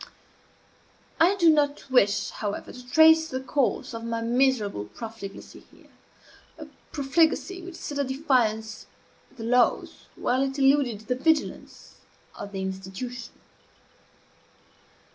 I do not wish, however, to trace the course of my miserable profligacy here a profligacy which set at defiance the laws, while it eluded the vigilance, of the institution.